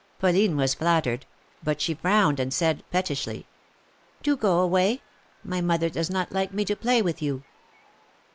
Pauline was flattered, but she frowned, and said, pettishly : Do go away. My mother does not like me to play with you."